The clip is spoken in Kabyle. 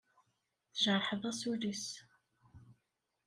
Tjerḥeḍ-as ul-is.